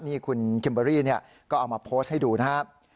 นี่คุณคิมเบอรี่ก็เอามาโพสต์ให้ดูนะครับ